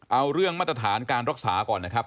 เอาเรื่องมาตรฐานการรักษาก่อนนะครับ